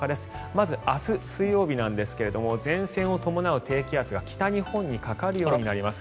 まず明日、水曜日ですが前線を伴う低気圧が北日本にかかるようになります。